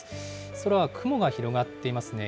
空は雲が広がっていますね。